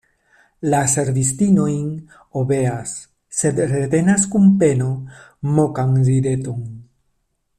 La servistinoj obeas, sed retenas kun peno mokan rideton.